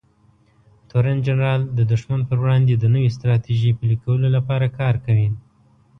تورن جنرال د دښمن پر وړاندې د نوې ستراتیژۍ پلي کولو لپاره کار کوي.